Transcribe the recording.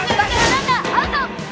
ランナーアウト！